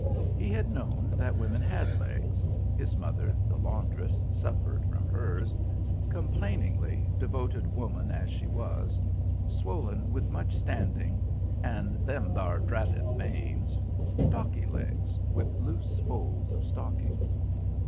He had known that women had legs; his mother, the laundress, suffered from hers complainingly, devoted woman as she was swollen with much standing, and "them there dratted veins": stocky legs, with loose folds of stocking.